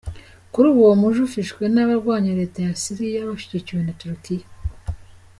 Kuri ubu uwo muji ufiswe n'abarwanya leta ya Syria bashigikiwe na Turkiya.